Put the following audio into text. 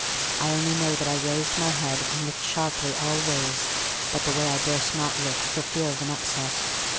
I only know that I raised my head and looked sharply all ways but the way I durst not look for fear of an upset.